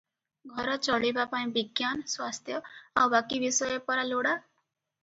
ଘର ଚଳିବା ପାଇଁ ବିଜ୍ଞାନ, ସ୍ୱାସ୍ଥ୍ୟ ଆଉ ବାକି ବିଷୟ ପରା ଲୋଡ଼ା ।